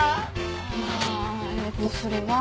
あえっとそれは。